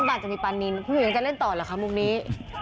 ป่ะจะมีป่านินพี่หมูยังจะเล่นต่อหรอค่ะมุมนี้